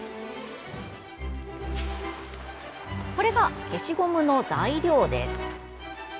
これは消しゴムの材料です。